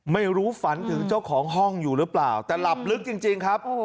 ไม่รู้ฝันถึงเจ้าของห้องอยู่หรือเปล่าแต่หลับลึกจริงครับ